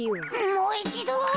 もういちど。